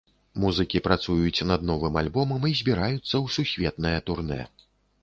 Музыкі працуюць над новым альбомам і збіраюцца ў сусветнае турнэ.